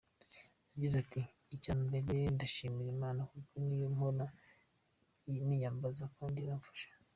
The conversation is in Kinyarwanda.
Yagize ati “Icya mbere ndashimira Imana kuko niyo mpora niyambaza kandi iramfasha.